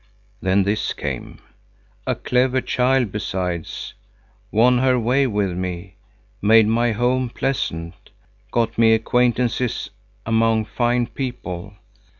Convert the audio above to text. Then this came: "A clever child, besides. Won her way with me. Made my home pleasant. Got me acquaintances among fine people.